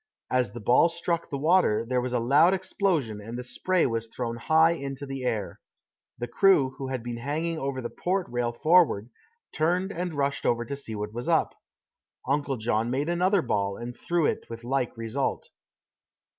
As the ball struck the water there was a loud explosion and the spray was thrown high into the air. The crew, who had been hanging over the port rail forward, turned and rushed over to see what was up. Uncle John made another ball and threw it with like result.